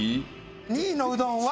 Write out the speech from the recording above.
２位のうどんは。